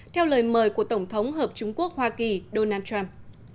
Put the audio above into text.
theo lời mời của tổng thống hợp chúng quốc hoa kỳ donald trump